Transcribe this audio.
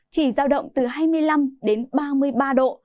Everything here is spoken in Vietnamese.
chỉ giao động từ hai mươi năm đến ba mươi ba độ